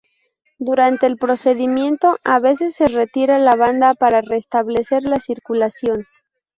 Durante el procedimiento, a veces se retira la banda para restablecer la circulación.